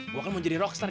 gue kan mau jadi rockstar